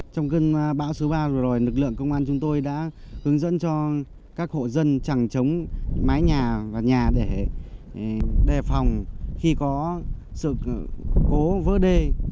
trong cơn bão số ba vừa rồi lực lượng công an chúng tôi đã hướng dẫn cho các hộ dân chẳng chống mái nhà và nhà để đề phòng khi có sự cố vỡ đê